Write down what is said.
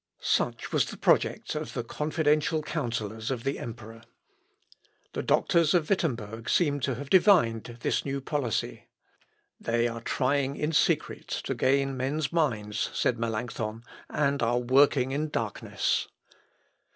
Such was the project of the confidential counsellors of the emperor. The doctors of Wittemberg seem to have divined this new policy. "They are trying in secret to gain men's minds," said Melancthon, "and are working in darkness."